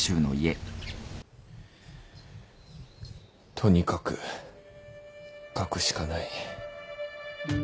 とにかく書くしかない。